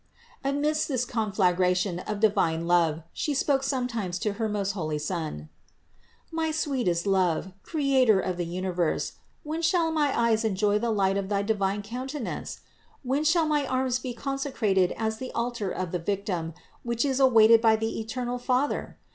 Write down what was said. Amidst this conflagration of divine love She spoke sometimes to her most holy Son: "My sweetest Love, Creator of the universe, when shall my eyes enjoy the light of thy divine countenance? When shall my arms be consecrated as the altar of the Victim, which is awaited by the eternal Father?